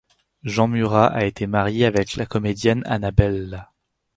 Jean Murat a été marié avec la comédienne Annabella.